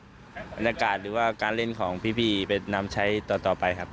บรรยากาศหรือว่าการเล่นของพี่ไปนำใช้ต่อไปครับ